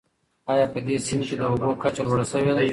آیا په دې سیند کې د اوبو کچه لوړه شوې ده؟